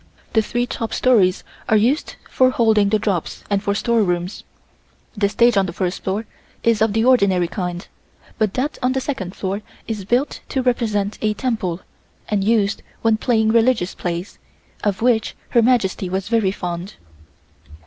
The three top stories are used for holding the drops and for store rooms. The stage on the first floor is of the ordinary kind; but that on the second floor is built to represent a temple and used when playing religious plays, of which Her Majesty was very fond.